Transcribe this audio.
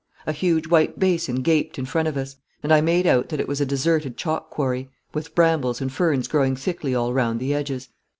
A huge white basin gaped in front of us, and I made out that it was a deserted chalk quarry, with brambles and ferns growing thickly all round the edges.